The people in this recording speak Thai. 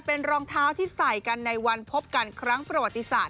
เป็นรองเท้าที่ใส่กันในวันพบกันครั้งประวัติศาสต